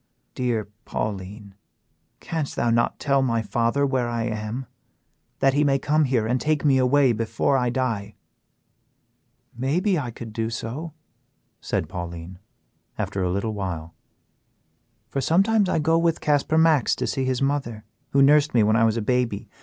Dear Pauline, canst thou not tell my father where I am, that he may come here and take me away before I die?" "Mayhap I could do so," said Pauline, after a little while, "for sometimes I go with Casper Max to see his mother, who nursed me when I was a baby.